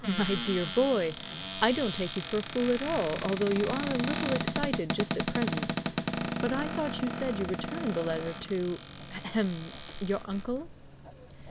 "My dear boy, I don't take you for a fool at all, although you are a little excited just at present. But I thought you said you returned the letter to ahem your uncle."